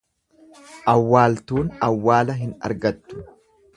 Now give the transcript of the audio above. Awwaaltuun awwala hin argattu.